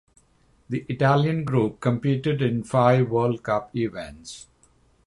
The Italian group competed in five World Cup events.